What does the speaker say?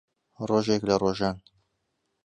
ڕۆژێک لە ڕۆژان